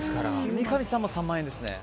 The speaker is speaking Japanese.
三上さんも３万円ですね。